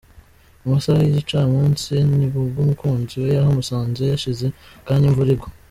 Mu masaha y’igicamunsi, nibwo umukunzi we yahamusanze, hashize akanya imvura iragwa.